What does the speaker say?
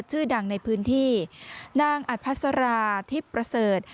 ชื่อดังในพื้นที่นางอภัสราทิพย์ประเสริฐ